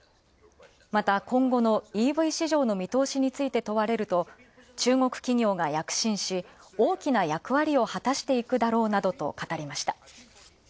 また今後のＥＶ市場の見通しについて問われると、中国企業が躍進し、大きな役割を果たしていくだろうなどと語りました。